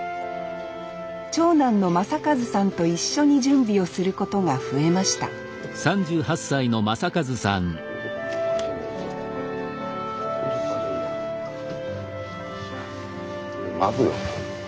長男の将和さんと一緒に準備をすることが増えました巻くよ。